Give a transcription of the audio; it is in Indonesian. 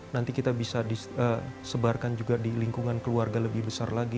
nanti kita bisa disebarkan juga di lingkungan keluarga lebih besar lagi